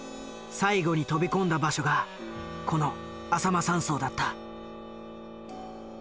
最後に飛び込んだ場所がこのあさま山荘だった。